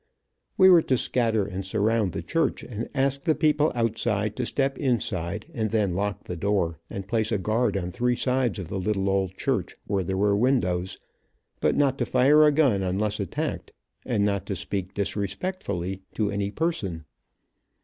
We were to scatter and surround the church, and ask the people outside to step inside, and then lock the door, and place a guard on three sides of the little old church where there were windows, but not to fire a gun unless attacked, and not to speak disrespectfully to any person.